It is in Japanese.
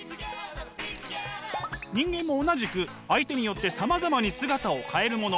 人間も同じく相手によってさまざまに姿を変えるもの。